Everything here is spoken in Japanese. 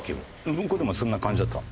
向こうでもそんな感じだったの？